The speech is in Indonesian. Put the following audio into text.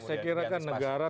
saya kira kan negara